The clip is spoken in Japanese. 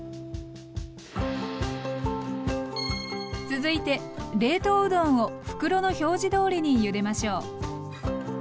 続いて冷凍うどんを袋の表示どおりにゆでましょう。